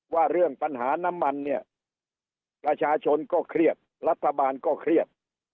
ว่าเรื่องปัญหาน้ำมันเนี่ยประชาชนก็เครียดรัฐบาลก็เครียด